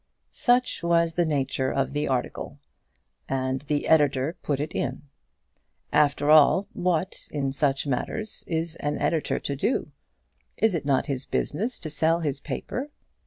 Such was the nature of the article, and the editor put it in. After all, what, in such matters, is an editor to do? Is it not his business to sell his paper?